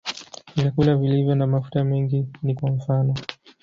Vyakula vilivyo na mafuta mengi ni kwa mfano.